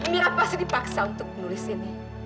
mira pasti dipaksa untuk menulis ini